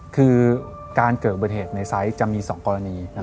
คือการเกิดอุบัติเหตุในไซส์จะมี๒กรณี